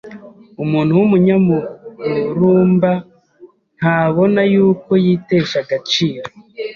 Umuntu w’umunyamururumba ntabona yuko yitesha agaciro